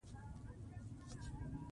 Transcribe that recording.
افغانستان له مېوې ډک دی.